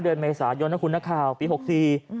เดินเมษายนหรือคุณหน้าข่าวปี๖๔